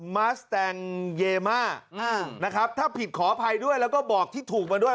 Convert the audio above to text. มาสแตงเยม่านะครับถ้าผิดขออภัยด้วยแล้วก็บอกที่ถูกมาด้วย